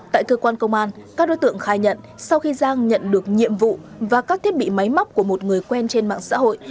tại cơ quan công an các đối tượng khai nhận sau khi giang nhận được nhiệm vụ và các thiết bị máy móc của một người quen trên mạng xã hội